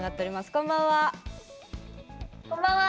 こんばんは。